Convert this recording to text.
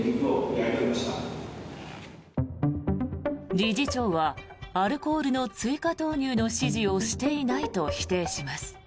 理事長はアルコールの追加投入の指示をしていないと否定します。